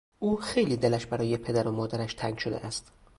او خیلی دلش برای پدر و مادرش تنگ شده است.